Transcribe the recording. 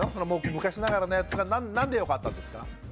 昔ながらのやつがなんでよかったんですか？